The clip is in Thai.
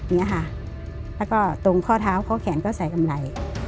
แล้วก็ตรงข้อเท้าข้อแขนก็ใส่กำไร